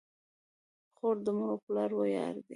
خور د مور او پلار ویاړ ده.